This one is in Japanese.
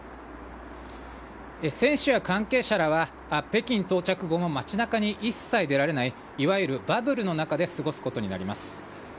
選手や関係者らは、北京到着後も街なかに一切出られない、いわゆるバブルの中で過ごすことになります。